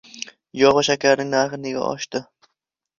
Yog‘ va shakarning narxi nega oshdi?